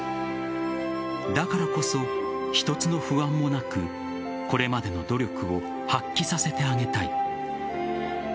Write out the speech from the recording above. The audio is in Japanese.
だからこそ、一つの不安もなくこれまでの努力を発揮させてあげたい。